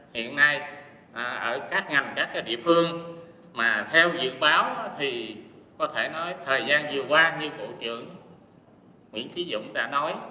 hiện nay ở các ngành các địa phương mà theo dự báo thì có thể nói thời gian vừa qua như bộ trưởng nguyễn thí dũng đã nói